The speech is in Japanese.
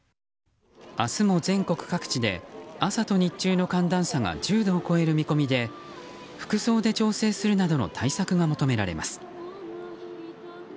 明日も全国各地で朝と日中の寒暖差が１０度を超える見込みで服装で調整するなどの対策が求められます。